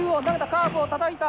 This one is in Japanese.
カーブをたたいた。